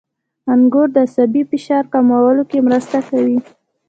• انګور د عصبي فشار کمولو کې مرسته کوي.